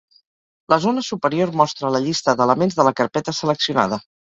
La zona superior mostra la llista d'elements de la carpeta seleccionada.